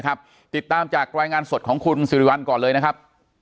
ติดตามจากรายงานสดของคุณสิริวัลก่อนเลยนะครับ